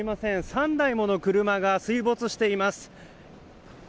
３台もの車が水没しています。